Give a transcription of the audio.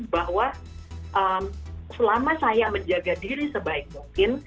bahwa selama saya menjaga diri sebaik mungkin